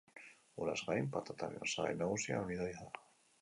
Uraz gain, patataren osagai nagusia almidoia da.